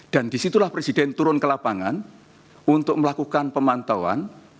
dan disitulah presiden turun ke lapangan untuk melakukan pemantauan